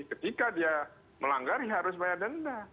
ketika dia melanggar ya harus bayar denda